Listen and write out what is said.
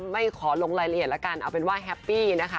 ไม่ขอลงรายละเอียดแล้วกันเอาเป็นว่าแฮปปี้นะคะ